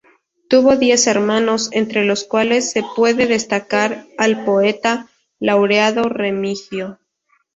Tuvo diez hermanos, entre los cuales se puede destacar al poeta laureado Remigio.